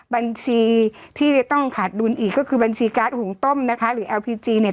บัญชีที่จะต้องขาดดุลอีกก็คือบัญชีการ์ดหุงต้มนะคะหรือแอลพีจีเนี่ย